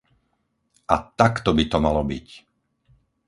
A takto by to malo byť!